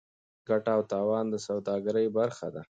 ګټه او تاوان د سوداګرۍ برخه ده.